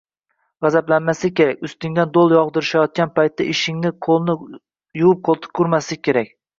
Gʻazablanmaslik kerak, ustingdan doʻl yogʻdirishayotgan paytda ishingdan qoʻlni yuvib qoʻltiqqa urmaslik kerak